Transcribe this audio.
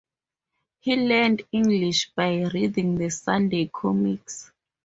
He learned English by reading the Sunday comics.